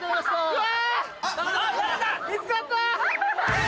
うわ！